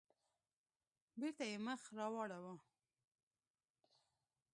بېرته يې مخ راواړاوه.